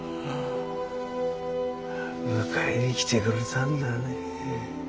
迎えに来てくれたんだねえ。